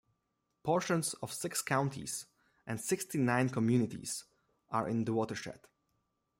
Portions of six counties and sixty-nine communities are in the watershed.